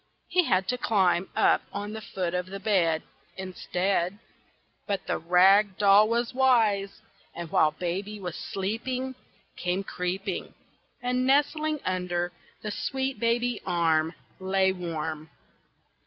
He had to climb up on the foot of the bed Instead. But the rag doll was wise, and while baby was sleeping, Came creeping, And nestling under the sweet baby arm, Lay warm.